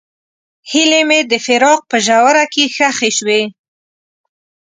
هیلې مې د فراق په ژوره کې ښخې شوې.